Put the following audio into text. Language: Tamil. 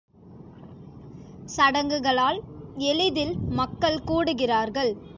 சடங்குகளால் எளிதில் மக்கள் கூடுகிறார்கள்.